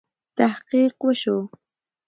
تحقیق وسو.